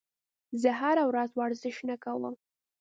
زه هره ورځ ورزش نه کوم.